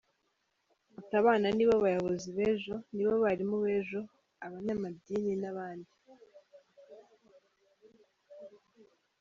Ati”Abana nibo bayobozi b’ejo, nibo barimu b’ejo, abanyamadini, n’abindi.